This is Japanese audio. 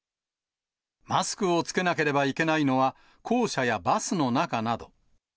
マスクを着けなければいけないのは校舎やバスの中など。